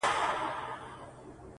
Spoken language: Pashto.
• له آشنا لاري به ولي راستنېږم,